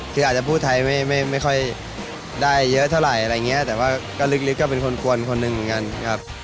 คืออาจจะพูดไทยไม่ค่อยได้เยอะเท่าไหร่อะไรอย่างเงี้ยแต่ว่าก็ลึกก็เป็นคนกวนคนหนึ่งเหมือนกันครับ